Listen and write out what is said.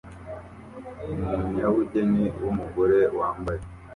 Umunyabugeni wumugore wambaye